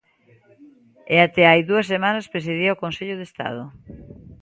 E até hai dúas semanas presidía o Consello de Estado.